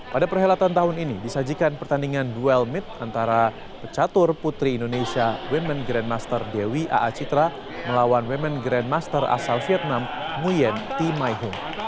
pada perhelatan tahun ini disajikan pertandingan duel meet antara pecatur putri indonesia women grandmaster dewi aacitra melawan women grandmaster asal vietnam nguyen t maihung